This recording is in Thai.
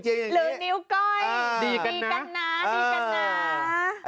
หรือนิ้วก้อยดีกันนะ